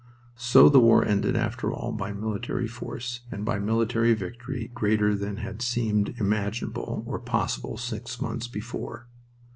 So the war ended, after all, by military force, and by military victory greater than had seemed imaginable or possible six months before.